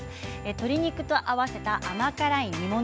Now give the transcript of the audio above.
鶏肉と合わせた甘辛い煮物。